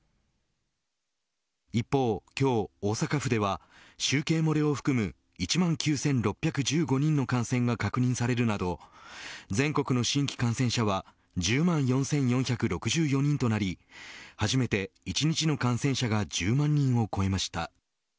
一方今日、大阪府では集計漏れを含む１万９６１５人の感染が確認されるなど全国の新規感染者は１０万４４６４人となり初めて１日の感染者が１０万人を超えました。